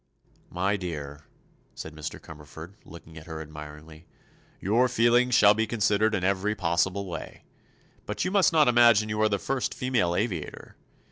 "My dear," said Mr. Cumberford, looking at her admiringly, "your feelings shall be considered in every possible way. But you must not imagine you are the first female aviator.